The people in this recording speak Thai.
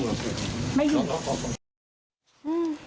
ไม่อยู่